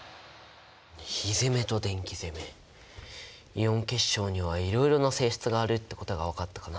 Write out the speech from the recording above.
イオン結晶にはいろいろな性質があるってことが分かったかな。